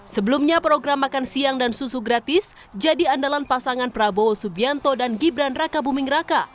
sebelumnya program makan siang dan susu gratis jadi andalan pasangan prabowo subianto dan gibran raka buming raka